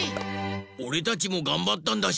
おれたちもがんばったんだし。